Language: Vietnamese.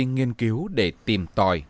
nghiên cứu để tìm tòi